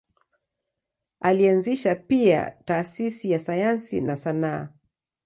Alianzisha pia taasisi za sayansi na sanaa.